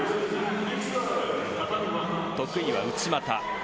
得意は内股。